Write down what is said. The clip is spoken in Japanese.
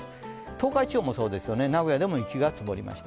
東海地方もそうですよね、名古屋でも雪が積もりました。